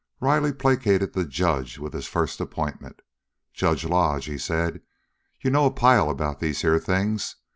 Riley placated the judge with his first appointment. "Judge Lodge," he said, "you know a pile about these here things.